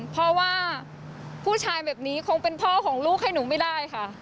เพราะว่าผู้ชายแบบนี้คงเป็นพ่อของลูกให้หนูไม่ได้ค่ะ